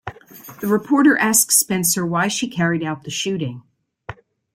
The reporter asked Spencer why she carried out the shooting.